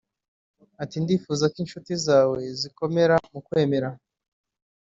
ati “Ndifuza ko inshuti zawe zikomera mu kwemera”